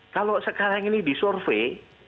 kalau sekarang ini disurvey